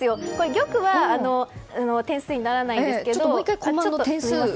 玉は点数にならないんですけど。